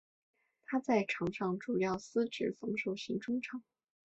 他在场上主要司职防守型中场。